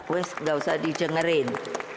weh gak usah di jengerin